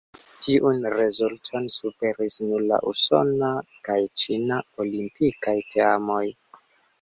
Tiun rezulton superis nur la usona kaj ĉina olimpikaj teamoj.